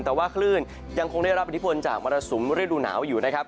แต่ว่าคลื่นยังคงได้รับอิทธิพลจากมรสุมฤดูหนาวอยู่นะครับ